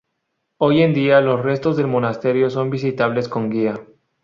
Hoy en día los restos del monasterio son visitables con guía.